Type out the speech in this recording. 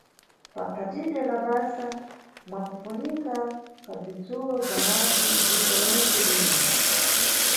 Kaphatidwe ka basa mwakufunika ka bzitsulo bza madzi nʼdziko lentse lino.